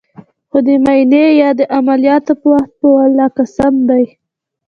خو د معاينې يا د عمليات په وخت په ولله قسم ديه.